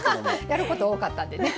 やること多かったんでね。